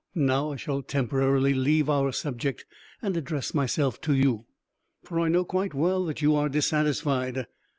Now I shall temporarily leave our subject and address myself to you. For I know quite well that you are dissatisfied.